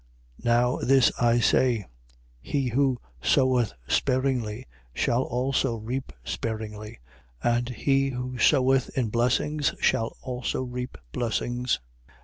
Now this I say: He who soweth sparingly shall also reap sparingly: and he who soweth in blessings shall also reap blessings.